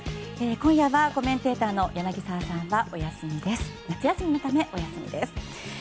今夜はコメンテーターの柳澤さんは夏休みのため、お休みです。